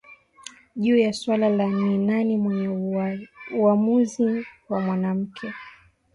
Juu ya suala la ni nani mwenye uwamuzi wa mwanamke